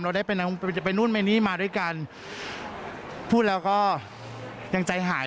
ได้ไปจะไปนู่นไปนี่มาด้วยกันพูดแล้วก็ยังใจหาย